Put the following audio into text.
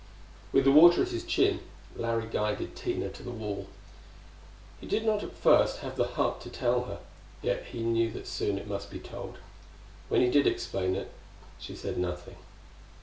With the water at his chin, Larry guided Tina to the wall. He did not at first have the heart to tell her, yet he knew that soon it must be told. When he did explain it, she said nothing.